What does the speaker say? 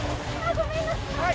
ごめんなさい。